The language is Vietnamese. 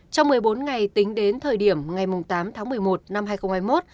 trong một mươi bốn ngày tính đến thời điểm ngày tám tháng một mươi một năm hai nghìn hai mươi một